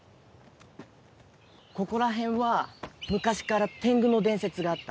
ここら辺は昔から天狗の伝説があった。